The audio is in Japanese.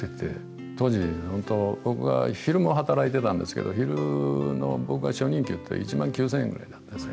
当時、僕が昼間働いてたんですけど、昼の僕の初任給で１万９０００円ぐらいだったんですよ。